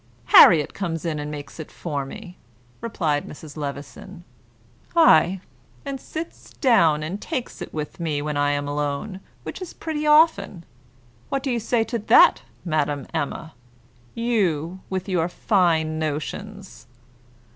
"Harriet comes in and makes it for me," replied Mrs. Levison; "aye, and sits down and takes it with me when I am alone, which is pretty often. What do you say to that, Madame Emma you, with your fine notions?"